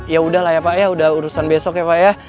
ya udah lah ya pak ya udah urusan besok ya pak ya